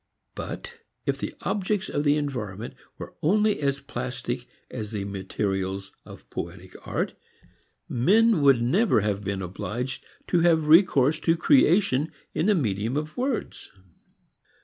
But if the objects of the environment were only as plastic as the materials of poetic art, men would never have been obliged to have recourse to creation in the medium of words.